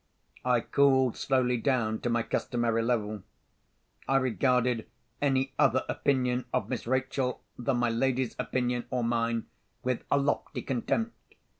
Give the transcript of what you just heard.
I cooled slowly down to my customary level. I regarded any other opinion of Miss Rachel, than my lady's opinion or mine, with a lofty contempt.